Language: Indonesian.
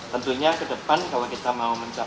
tentunya kedepannya kita harus mencari penyelamat